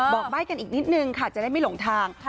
ใบ้กันอีกนิดนึงค่ะจะได้ไม่หลงทาง